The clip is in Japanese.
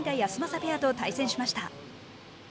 ペアと対戦しました。